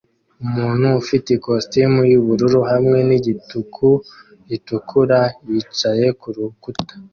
Umuntu ufite ikositimu yubururu hamwe nigituku gitukura yicaye kurukuta